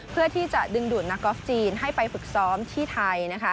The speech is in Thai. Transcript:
เพื่อที่จะดึงดูดนักกอล์ฟจีนให้ไปฝึกซ้อมที่ไทย